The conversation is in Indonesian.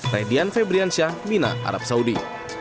radian febriansyah mina arab saudi